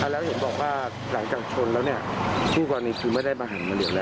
แล้วเห็นบอกว่าหลังจากชนแล้วช่วงกว่านี้คุณไม่ได้มาหักมาเดียวนะครับ